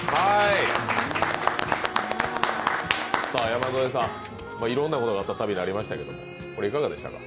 山添さん、いろんなことがあった旅になりましたけどいかがですか？